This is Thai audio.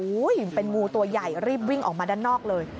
เป็นงูตัวใหญ่รีบวิ่งออกมาด้านนอกเลย